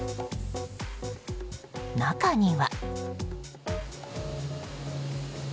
中には。